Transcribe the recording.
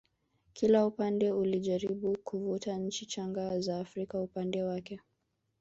kila upande ulijaribu kuvuta nchi changa za Afrika upande wake